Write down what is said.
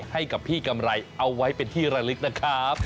ให้กับพี่กำไรเอาไว้เป็นที่ระลึกนะครับ